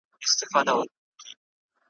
ما پور غوښتی تا نور غوښتی ,